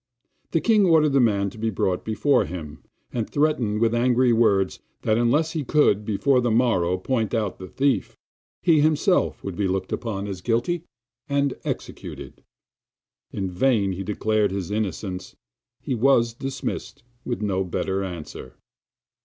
The king ordered the man to be brought before him, and threatened with angry words that unless he could before the morrow point out the thief, he himself should be looked upon as guilty and executed. In vain he declared his innocence; he was dismissed with no better answer.